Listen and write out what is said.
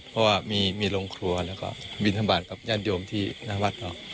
เพราะว่ามีโรงครัวแล้วก็บินทบาทกับญาติโยมที่หน้าวัดเนอะ